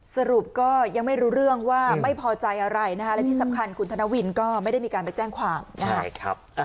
สรุปก็ยังไม่รู้เรื่องว่าไม่พอใจอะไรนะคะและที่สำคัญคุณธนวินก็ไม่ได้มีการไปแจ้งความนะครับ